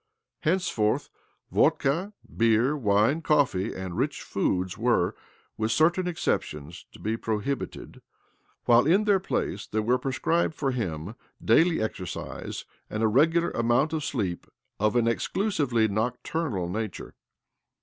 Henceforth, vodka, beer, wine, coffee, and rich food were, with certain exceptions, to be prohibited, while in their place there were prescribed for him daily exer cise and a regular amount of sleep of an exclusively nocturnal nature.